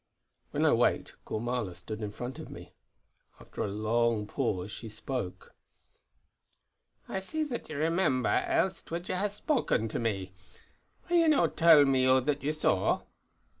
When I waked Gormala stood in front of me. After a long pause she spoke: "I see that ye remember, else would ye ha' spoken to me. Will ye no tell me all that ye saw?